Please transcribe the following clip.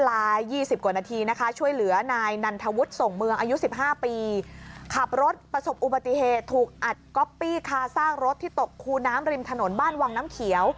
อายุสิบห้า